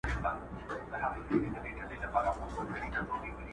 روبوټونه اوس د بحرونو په تل کې د ورک شويو کښتیو لټون کوي.